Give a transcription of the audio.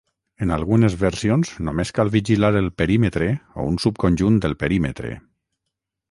En algunes versions només cal vigilar el perímetre o un subconjunt del perímetre.